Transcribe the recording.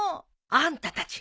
あんたたち